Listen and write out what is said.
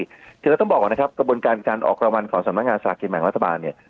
คือเราต้องบอกว่านะครับกระบวนการการออกรางวัลของสำนักงานศาสตร์เกียรติแห่งวัฒนบาลเนี้ย